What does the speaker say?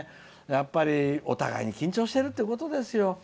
やっぱりお互いに緊張してるってことですよ。